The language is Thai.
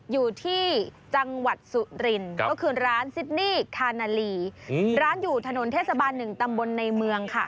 อยู่ที่จังหวัดสุรินทร์ก็คือร้านซิดนี่คานาลีร้านอยู่ถนนเทศบาล๑ตำบลในเมืองค่ะ